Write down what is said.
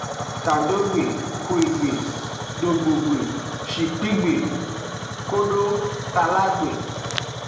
Tadogbe, hwegbe, dogbogbe, shikpigbe kudo talagbe.